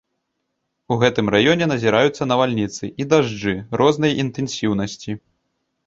У гэтым раёне назіраюцца навальніцы і дажджы рознай інтэнсіўнасці.